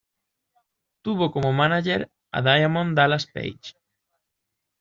Tuvo como mánager a Diamond Dallas Page.